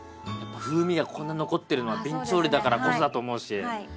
風味がこんな残ってるのはびん調理だからこそだと思うし。